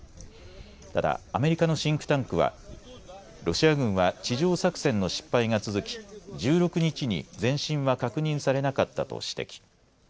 ただ、アメリカのシンクタンクはロシア軍は地上作戦の失敗が続き１６日に前進は確認されなかったと指摘。